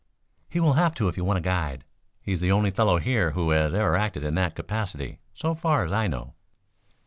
"He will have to if you want a guide. He is the only fellow here who has ever acted in that capacity, so far as I know."